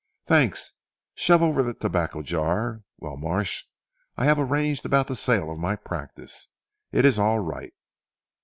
"Thanks. Shove over the tobacco jar. Well Marsh, I have arranged about the sale of my practice. It's all right."